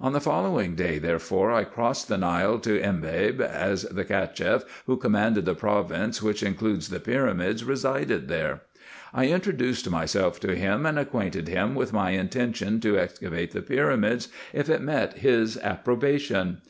On the following day therefore I crossed the Nile to Embabe, as the Cacheff who commanded the province which includes the pyramids resided there. I introduced myself to him, and acquainted him with my intention to excavate the pyramids, if it met his approbation.